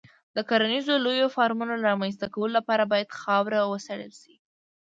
د کرنیزو لویو فارمونو رامنځته کولو لپاره باید خاوره وڅېړل شي.